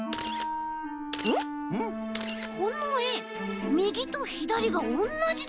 このえみぎとひだりがおんなじだ！